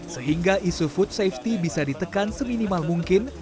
sehingga isu food safety bisa ditekan seminimal mungkin